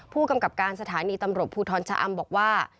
ผู้กำกับการสถานีตำรวจภูทรชะอำบอกว่า